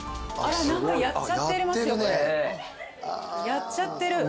やっちゃってる。